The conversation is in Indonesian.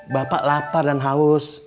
bapak lapar dan haus